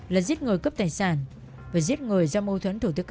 là giết người cấp tài sản và giết người do mâu thuẫn thủ tức